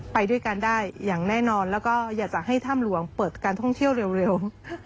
ไปด้วยกันได้อย่างแน่นอนแล้วก็อยากจะให้ถ้ำหลวงเปิดการท่องเที่ยวเร็ว